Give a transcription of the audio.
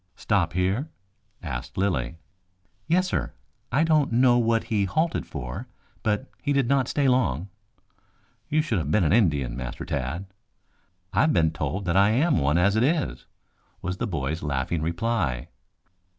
"Stop here?" asked Lilly. "Yes, sir. I don't know what he halted for, but he did not stay long." "You should have been an Indian, Master Tad." "I have been told that I am one as it is," was the boy's laughing reply.